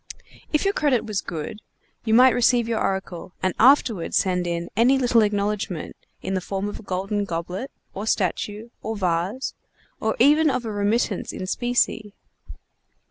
If your credit was good, you might receive your oracle and afterward send in any little acknowledgment in the form of a golden goblet, or statue, or vase, or even of a remittance in specie.